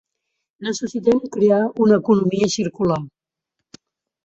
Necessitem crear una economia circular.